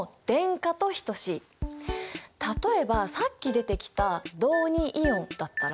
例えばさっき出てきた銅イオンだったら？